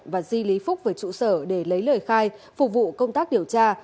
và di lý phúc về trụ sở để lấy lời khai phục vụ công tác điều tra